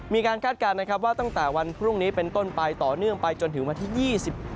คาดการณ์นะครับว่าตั้งแต่วันพรุ่งนี้เป็นต้นไปต่อเนื่องไปจนถึงวันที่๒๗